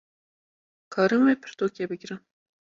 karin vê pirtûkê bigrin